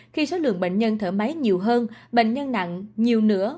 khi số lượng bệnh nhân thở máy nhiều hơn bệnh nhân nặng nhiều nữa